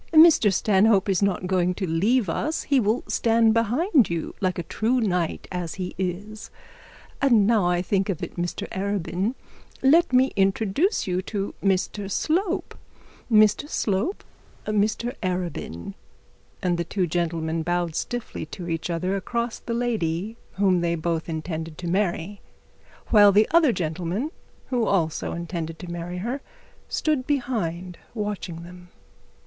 'Mr Stanhope is not going to leave us. He will stand behind you like a true knight as he is. And now I think of it, Mr Arabin, let me introduce you to Mr Slope. Mr Slope, Mr Arabin.' And the two gentlemen bowed stiffly to each other across the lady they both intended to marry, while the other gentleman who also intended to marry her stood behind, watching them.